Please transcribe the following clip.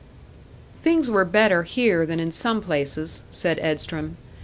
Things were better here than in some places, said Edstrom.